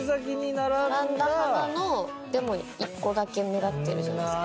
並んだ花のでも一個だけ目立ってるじゃないですか。